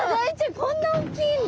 こんな大きいんだ。